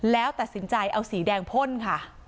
แล้วตัดสินใจเอาสีแดงพ่นค่ะ